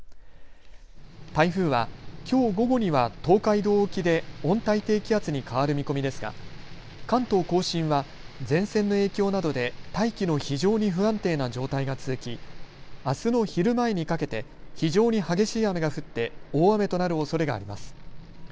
台風は、きょう午後には東海道沖で温帯低気圧に変わる見込みですが関東甲信は前線の影響などで大気の非常に不安定な状態が続きあすの昼前にかけて非常に激しい雨が降って大雨となるおそれがあります。